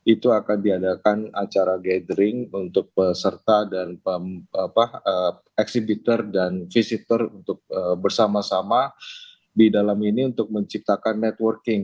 itu akan diadakan acara gathering untuk peserta dan exhibitor dan visitor untuk bersama sama di dalam ini untuk menciptakan networking